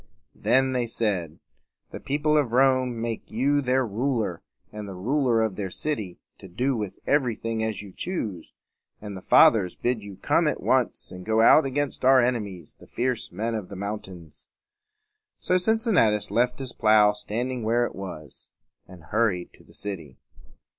Then they said, "The people of Rome make you their ruler and the ruler of their city, to do with everything as you choose; and the Fathers bid you come at once and go out against our enemies, the fierce men of the mountains." So Cincinnatus left his plow standing where it was, and hurried to the city.